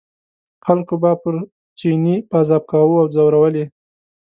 خلکو به پر چیني پازاب کاوه او ځورول یې.